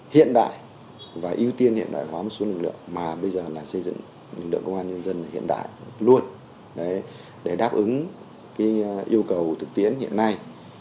hiện đại và ưu tiên hiện đại hóa một số lực lượng mà bây giờ là xây dựng lực lượng công an nhân dân hiện đại luôn để đáp ứng yêu cầu thực tiễn hiện nay